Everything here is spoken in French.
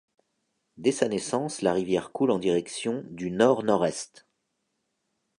Dès sa naissance la rivière coule en direction du nord-nord-est.